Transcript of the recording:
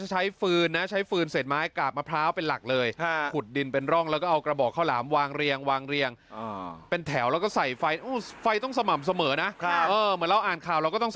เหมือนเราอ่านข่าวเราก็ต้องสม่ำเสมอเหมือนกัน